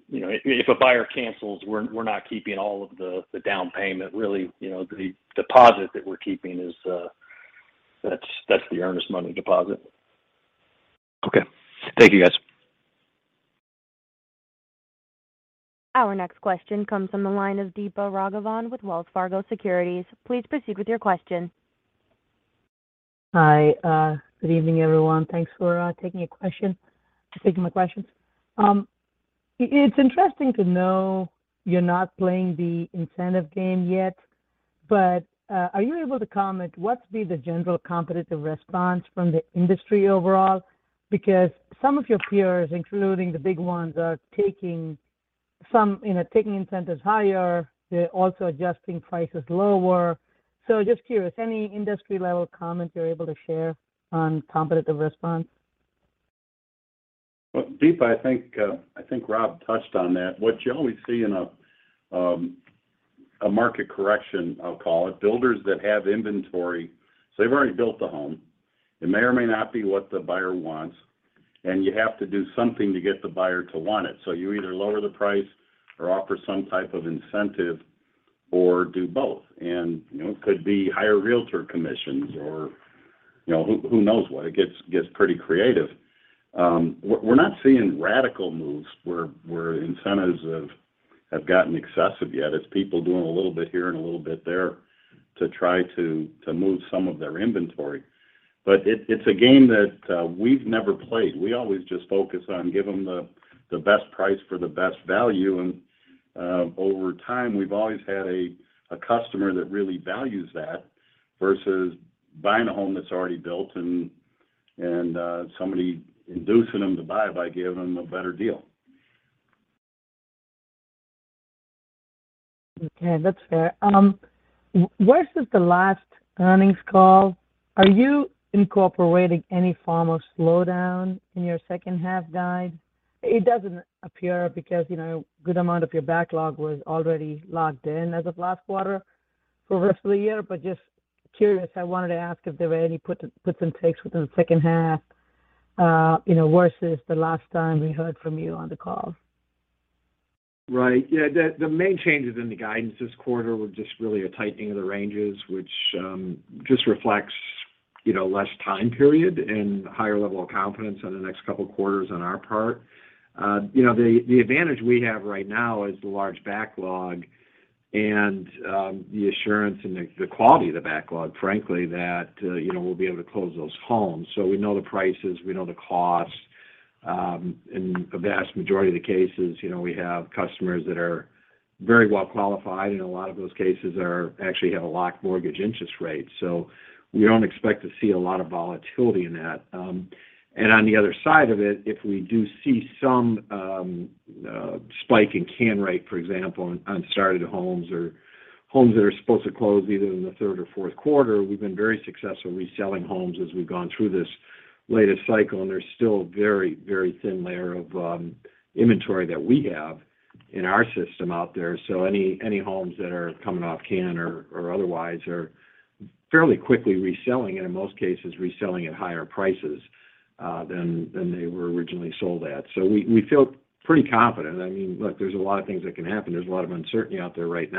you know, if a buyer cancels, we're not keeping all of the down payment. Really, you know, the deposit that we're keeping is, that's the earnest money deposit. Okay. Thank you, guys. Our next question comes from the line of Deepa Raghavan with Wells Fargo Securities. Please proceed with your question. Hi. Good evening, everyone. Thanks for taking my questions. It's interesting to know you're not playing the incentive game yet, but are you able to comment what's been the general competitive response from the industry overall? Because some of your peers, including the big ones, are taking some, you know, incentives higher. They're also adjusting prices lower. Just curious, any industry level comment you're able to share on competitive response? Well, Deepa, I think Rob touched on that. What you always see in a market correction, I'll call it, builders that have inventory, so they've already built the home. It may or may not be what the buyer wants, and you have to do something to get the buyer to want it. You either lower the price or offer some type of incentive or do both. You know, it could be higher realtor commissions or, you know, who knows what. It gets pretty creative. We're not seeing radical moves where incentives have gotten excessive yet. It's people doing a little bit here and a little bit there to try to move some of their inventory. It's a game that we've never played. We always just focus on give them the best price for the best value and. Over time, we've always had a customer that really values that versus buying a home that's already built and somebody inducing them to buy by giving them a better deal. Okay, that's fair. Versus the last earnings call, are you incorporating any form of slowdown in your second half guide? It doesn't appear because, you know, a good amount of your backlog was already locked in as of last quarter for the rest of the year. Just curious, I wanted to ask if there were any puts and takes within the second half, you know, versus the last time we heard from you on the call. Right. Yeah, the main changes in the guidance this quarter were just really a tightening of the ranges, which just reflects, you know, less time period and higher level of confidence in the next couple of quarters on our part. You know, the advantage we have right now is the large backlog and the assurance and the quality of the backlog, frankly, that you know, we'll be able to close those homes. So we know the prices, we know the costs. In a vast majority of the cases, you know, we have customers that are very well qualified, and a lot of those cases are actually have a locked mortgage interest rate. So we don't expect to see a lot of volatility in that. On the other side of it, if we do see some spike in cancel rate, for example, on unstarted homes or homes that are supposed to close either in the third or fourth quarter, we've been very successful reselling homes as we've gone through this latest cycle, and there's still very, very thin layer of inventory that we have in our system out there. So any homes that are coming off cancel or otherwise are fairly quickly reselling and in most cases, reselling at higher prices than they were originally sold at. So we feel pretty confident. I mean, look, there's a lot of things that can happen. There's a lot of uncertainty out there right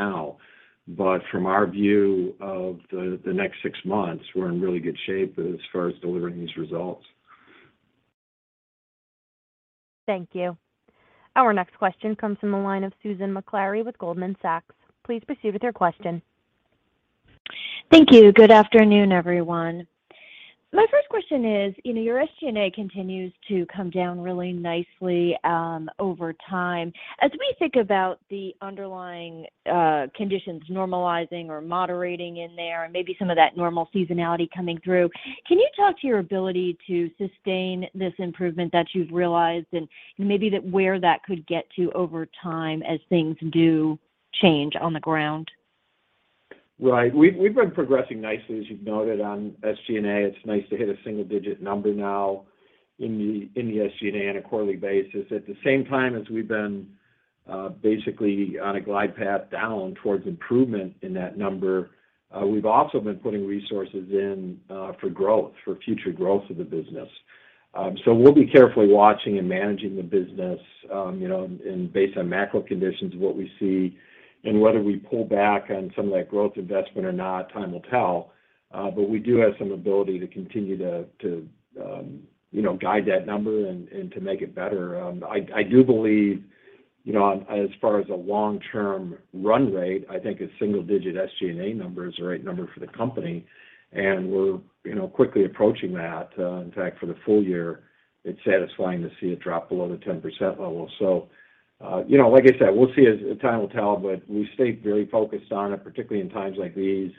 now. But from our view of the next six months, we're in really good shape as far as delivering these results. Thank you. Our next question comes from the line of Susan Maklari with Goldman Sachs. Please proceed with your question. Thank you. Good afternoon, everyone. My first question is, you know, your SG&A continues to come down really nicely over time. As we think about the underlying conditions normalizing or moderating in there and maybe some of that normal seasonality coming through, can you talk to your ability to sustain this improvement that you've realized and maybe that where that could get to over time as things do change on the ground? Right. We've been progressing nicely, as you've noted, on SG&A. It's nice to hit a single digit number now in the SG&A on a quarterly basis. At the same time as we've been basically on a glide path down towards improvement in that number, we've also been putting resources in for growth, for future growth of the business. So we'll be carefully watching and managing the business, you know, and based on macro conditions, what we see and whether we pull back on some of that growth investment or not, time will tell. But we do have some ability to continue to guide that number and to make it better. I do believe, you know, as far as a long-term run rate, I think a single digit SG&A number is the right number for the company, and we're, you know, quickly approaching that. In fact, for the full year, it's satisfying to see it drop below the 10% level. You know, like I said, we'll see, time will tell, but we stay very focused on it, particularly in times like these.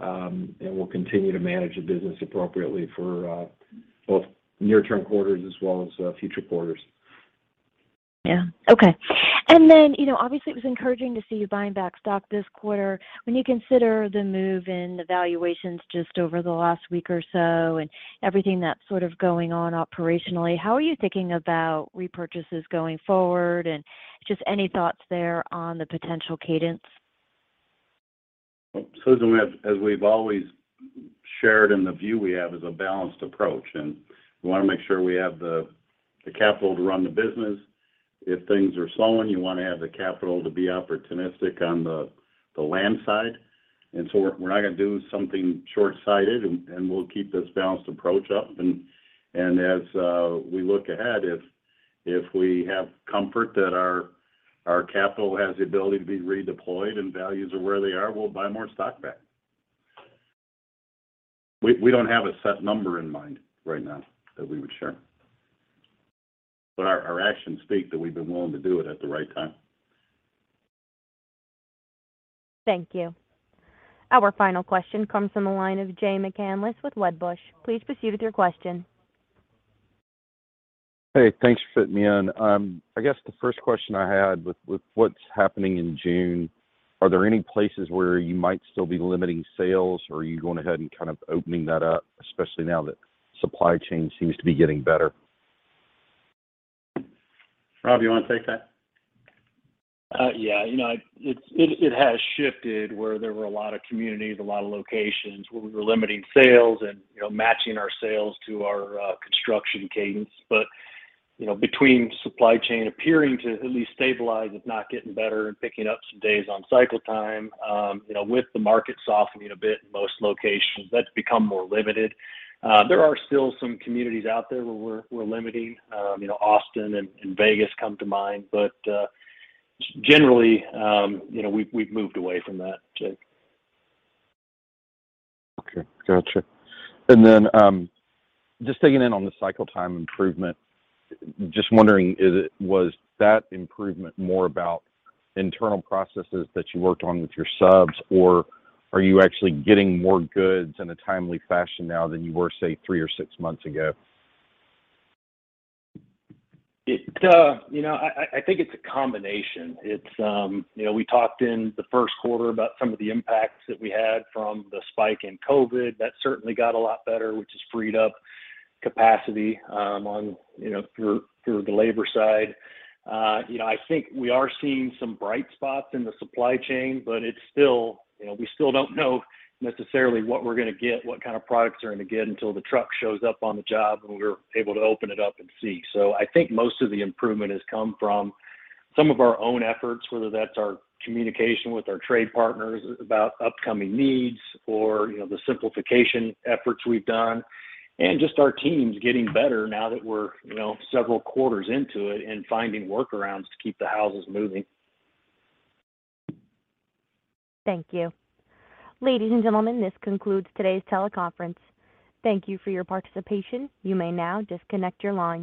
We'll continue to manage the business appropriately for both near-term quarters as well as future quarters. Yeah. Okay. You know, obviously it was encouraging to see you buying back stock this quarter. When you consider the move in the valuations just over the last week or so and everything that's sort of going on operationally, how are you thinking about repurchases going forward? Just any thoughts there on the potential cadence? Susan, as we've always shared, the view we have is a balanced approach, and we wanna make sure we have the capital to run the business. If things are slowing, you wanna have the capital to be opportunistic on the land side. We're not gonna do something short-sighted, and we'll keep this balanced approach up. As we look ahead, if we have comfort that our capital has the ability to be redeployed and values are where they are, we'll buy more stock back. We don't have a set number in mind right now that we would share. Our actions speak that we've been willing to do it at the right time. Thank you. Our final question comes from the line of Jay McCanless with Wedbush. Please proceed with your question. Hey, thanks for fitting me in. I guess the first question I had with what's happening in June, are there any places where you might still be limiting sales or are you going ahead and kind of opening that up, especially now that supply chain seems to be getting better? Rob, you wanna take that? Yeah. You know, it has shifted where there were a lot of communities, a lot of locations where we were limiting sales and, you know, matching our sales to our construction cadence. You know, between supply chain appearing to at least stabilize, if not getting better and picking up some days on cycle time, you know, with the market softening a bit in most locations, that's become more limited. There are still some communities out there where we're limiting, you know, Austin and Vegas come to mind. Generally, you know, we've moved away from that, Jay. Okay. Gotcha. Just digging in on the cycle time improvement, just wondering, was that improvement more about internal processes that you worked on with your subs, or are you actually getting more goods in a timely fashion now than you were, say, three or six months ago? You know, I think it's a combination. It's, you know, we talked in the first quarter about some of the impacts that we had from the spike in COVID. That certainly got a lot better, which has freed up capacity, on, you know, through the labor side. You know, I think we are seeing some bright spots in the supply chain, but it's still, you know, we still don't know necessarily what we're gonna get, what kind of products we're gonna get until the truck shows up on the job and we're able to open it up and see. I think most of the improvement has come from some of our own efforts, whether that's our communication with our trade partners about upcoming needs or, you know, the simplification efforts we've done and just our teams getting better now that we're, you know, several quarters into it and finding workarounds to keep the houses moving. Thank you. Ladies and gentlemen, this concludes today's teleconference. Thank you for your participation. You may now disconnect your lines.